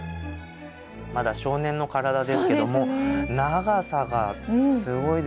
まだ少年の体ですけども長さがすごいですよね。